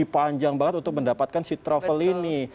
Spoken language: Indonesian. panjang banget untuk mendapatkan si travel ini